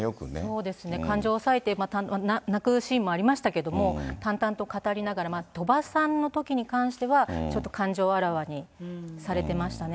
そうですね、感情を抑えて、泣くシーンもありましたけど、淡々と語りながら、鳥羽さんのときに関しては、ちょっと感情をあらわにされてましたね。